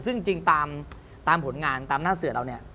ซึ่งจริงตามผลงานตามหน้าเสือเราเนี่ย